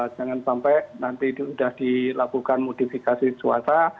jangan sampai nanti sudah dilakukan modifikasi cuaca